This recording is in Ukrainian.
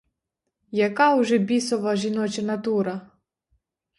Яка уже бісова жіноча натура!